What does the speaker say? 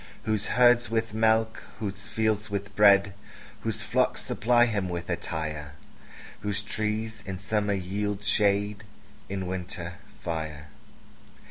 Whose herds with milk, whose fields with bread, Whose flocks supply him with attire; Whose trees in summer yield shade, In winter, fire.